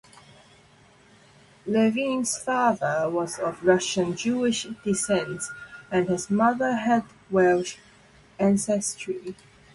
Levine's father was of Russian Jewish descent and his mother had Welsh ancestry.